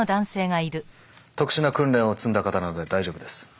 特殊な訓練を積んだ方なので大丈夫です。